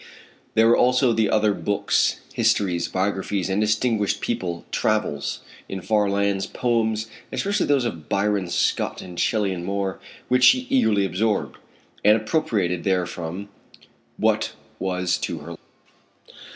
There were also other books histories, biographies of distinguished people, travels in far lands, poems, especially those of Byron, Scott and Shelley and Moore, which she eagerly absorbed, and appropriated therefrom what was to her liking.